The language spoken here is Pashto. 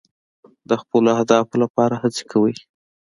د خپلو اهدافو لپاره هڅې کوئ.